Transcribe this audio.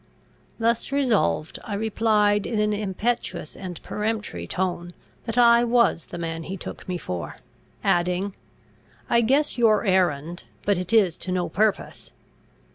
Thus resolved, I replied in an impetuous and peremptory tone, that I was the man he took me for; adding, "I guess your errand; but it is to no purpose.